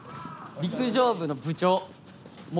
陸上部の部長元。